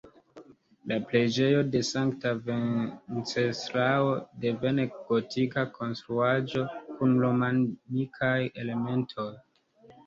La preĝejo de sankta Venceslao, devene gotika konstruaĵo kun romanikaj elementoj.